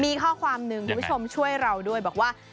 มีข้อความหนึ่งคุณผู้ชมช่วยเราด้วยบอกว่า